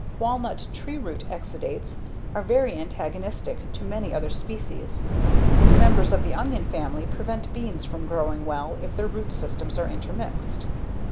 Walnut tree root exudates are very antagonistic to many other species. And members of the onion family prevent beans from growing well if their root systems are intermixed.